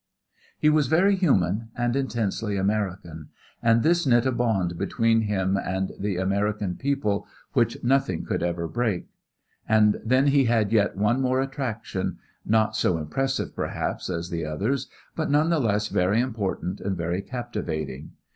He was very human and intensely American, and this knit a bond between him and the American people which nothing could ever break. And then he had yet one more attraction, not so impressive, perhaps, as the others, but none the less very important and very captivating.